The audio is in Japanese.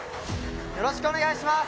よろしくお願いします。